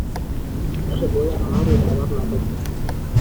No se puede nadar y guardar la ropa.